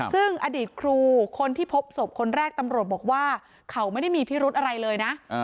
ซึ่งอดีตครูคนที่พบศพคนแรกตำรวจบอกว่าเขาไม่ได้มีพิรุธอะไรเลยนะ